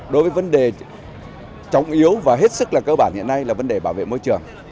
đối với vấn đề trọng yếu và hết sức là cơ bản hiện nay là vấn đề bảo vệ môi trường